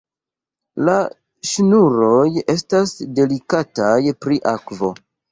La ŝnuroj estas delikataj pri akvo.